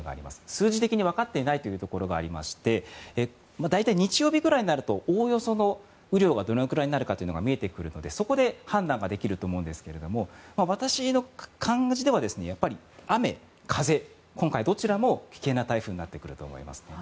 数字的に分かっていないというのがありまして大体、日曜日くらいになるとおおよその雨量がどのくらいになるのかが見えてくるのでそこで判断ができると思うんですけれども私の感じでは今回は雨、風どちらも危険な台風になっていると思いますね。